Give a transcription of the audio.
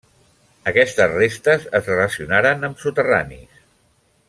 Aquestes restes es relacionaren amb soterranis.